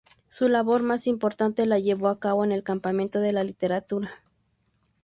Su labor más importante la llevó a cabo en el campo de la literatura.